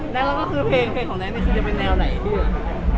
แล้วก็คือเพลงของแน็ตเนี่ยคือจะเป็นแนวไหนพี่